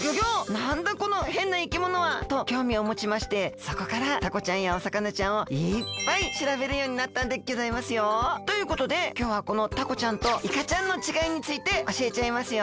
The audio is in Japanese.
なんだこのへんないきものは！？ときょうみをもちましてそこからタコちゃんやお魚ちゃんをいっぱいしらべるようになったんでギョざいますよ。ということできょうはこのタコちゃんとイカちゃんのちがいについておしえちゃいますよ！